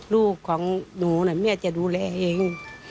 ลูกของหนูแม่จะดูแลเอง